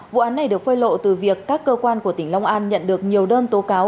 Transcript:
vụ án này được phơi lộ từ việc các cơ quan của tỉnh long an nhận được nhiều đơn tố cáo